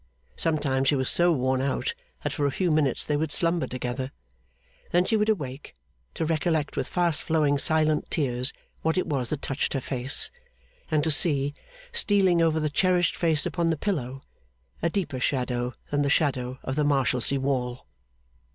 Sometimes she was so worn out that for a few minutes they would slumber together. Then she would awake; to recollect with fast flowing silent tears what it was that touched her face, and to see, stealing over the cherished face upon the pillow, a deeper shadow than the shadow of the Marshalsea Wall.